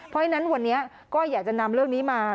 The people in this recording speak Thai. เพราะฉะนั้นวันนี้ก็อยากจะนำเรื่องนี้มา